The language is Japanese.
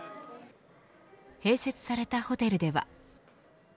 併設されたホテルでは。